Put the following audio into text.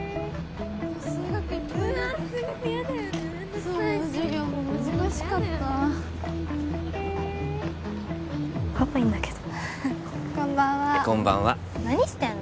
そう授業も難しかったパパいんだけどこんばんはこんばんは何してんの？